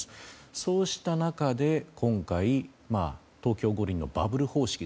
そうした中で今回、東京五輪のバブル方式